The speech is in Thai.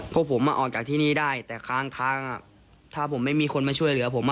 พวกผมออกจากที่นี่ได้แต่ค้างถ้าผมไม่มีคนมาช่วยเหลือผม